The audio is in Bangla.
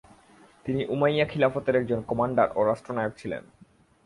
তিনি উমাইয়া খিলাফতের একজন কমান্ডার ও রাষ্ট্রনায়ক ছিলেন।